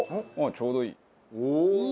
ちょうどいい。